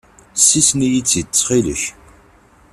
Ssisen-iyi-tt-id ttxil-k.